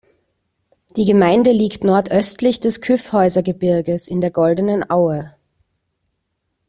Die Gemeinde liegt nordöstlich des Kyffhäusergebirges in der Goldenen Aue.